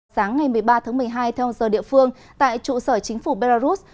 sáng ngày một mươi ba tháng một mươi hai theo giờ địa phương tại trụ sở chính phủ belarus